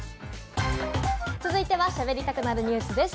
続いては、しゃべりたくなるニュスです。